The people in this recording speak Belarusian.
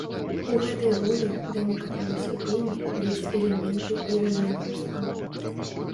У гэтай ролі, да некаторай ступені, ёсць элементы і рэзанёрства.